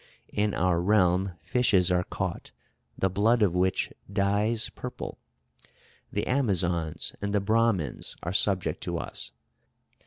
In our realm fishes are caught, the blood of which dyes purple. The Amazons and the Brahmins are subject to us.